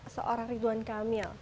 seorang ridwan kamil